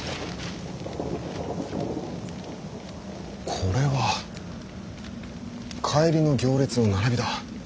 これは帰りの行列の並びだ。